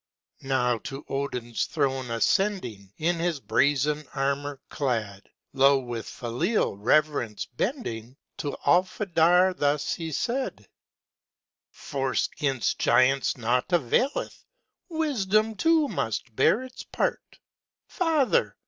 Now to OdinŌĆÖs throne ascending In his brazen armour clad, Low with filial reverence bending, To Alfader thus he said: ŌĆ£Force ŌĆÖgainst giants naught availeth; Wisdom too must bear its part: Father!